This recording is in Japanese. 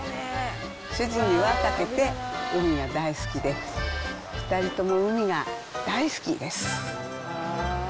主人に輪をかけて、海が大好きで、２人とも海が大好きです。